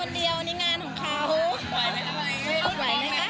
วันนี้เป็นงานน้องเหี่ยวกลางรัก